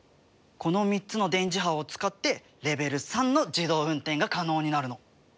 この３つの電磁波を使ってレベル３の自動運転が可能になるの。